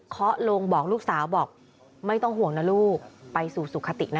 ลงบอกลูกสาวบอกไม่ต้องห่วงนะลูกไปสู่สุขตินะ